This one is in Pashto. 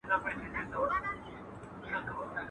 چي مي هر څه غلا کول دې نازولم.